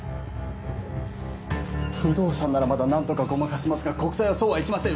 不動産ならまだ何とかごまかせますが国債はそうはいきません